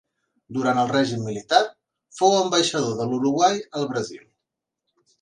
Durant el règim militar, fou ambaixador de l'Uruguai al Brasil.